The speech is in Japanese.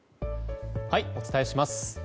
お伝えします。